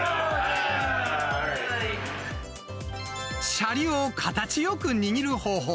しゃりを形よく握る方法。